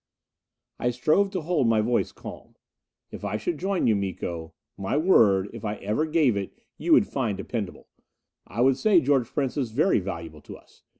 I strove to hold my voice calm. "If I should join you, Miko my word, if I ever gave it, you would find dependable I would say George Prince is very valuable to us.